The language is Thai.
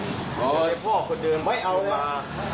อยากได้พ่อคนเดินไม่เอาเลย